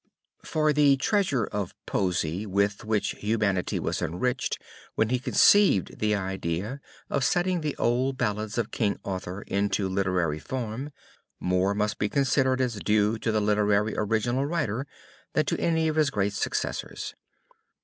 For the treasure of poesy with which humanity was enriched when he conceived the idea of setting the old ballads of King Arthur into literary form, more must be considered as due to the literary original writer than to any of his great successors.